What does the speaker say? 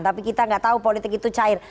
tapi kita nggak tahu politik itu cair